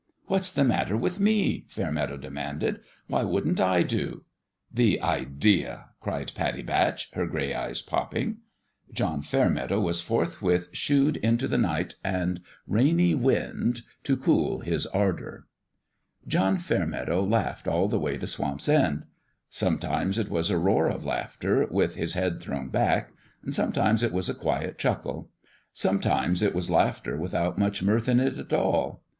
" What's the matter with me ?" Fairmeadow demanded, " Why wouldn't I do ?"" The idea !" cried Pattie Batch, her gray eyes popping. A FATHER for The BABY 179 John Fairmeadow was forthwith shooed into the night and rainy wind to cool his ardour. John Fairmeadow laughed all the way to Swamp's End. Sometimes it was a roar of laughter, with his head thrown back ; sometimes it was a quiet chuckle ; sometimes it was laugh ter without much mirth in it, at all.